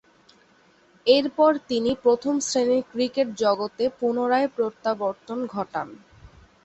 এরপর, তিনি প্রথম-শ্রেণীর ক্রিকেট জগতে পুনরায় প্রত্যাবর্তন ঘটান।